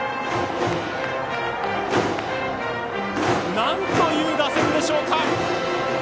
なんという打線でしょうか！